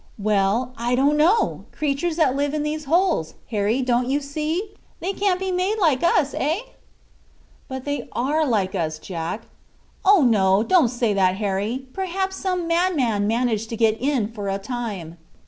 "Well, I don't know. Creatures that live in these holes, Harry, don't you see? they can't be made like us, eh?" "But they are just like us, Jack." "Oh, no! don't say that, Harry! Perhaps some madman managed to get in for a time."